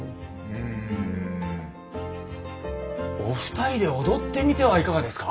うんお二人で踊ってみてはいかがですか？